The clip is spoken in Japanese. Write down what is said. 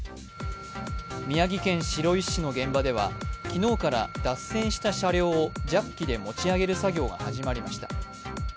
宮城県白石市の現場では昨日から脱線した車両をジャッキで持ち上げる作業が始まりました。